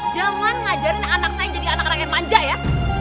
jangan ngajarin anak saya jadi anak anak yang panja ya